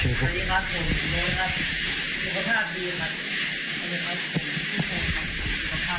วัน๑๓คนมีอะไรอยากจะบอกพวกคุณท่าน